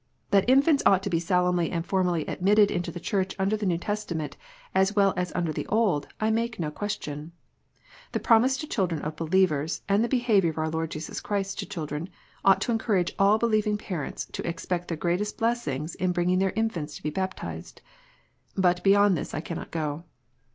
That infants ought to be solemnly and formally admitted into the Church under the New Testament, as well as under the Old, I make no question. The promise to the children of believers, and the behaviour of our Lord Jesus Christ to children, oug t encourage all believing parents to expect the greatest bleasrpga in bringing their infants to be baptized. But beyond this I cannot go.